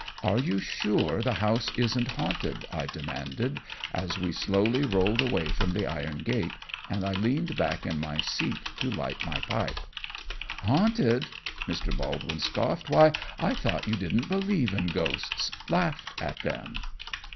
"Are you sure the house isn't haunted?" I demanded, as we slowly rolled away from the iron gate, and I leaned back in my seat to light my pipe. "Haunted!" Mr. Baldwin scoffed, "why, I thought you didn't believe in ghosts laughed at them."